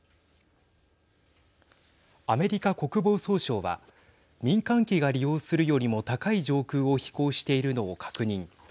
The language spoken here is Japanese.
アメリカ国防総省は民間機が利用するよりも高い上空を飛行しているのを確認。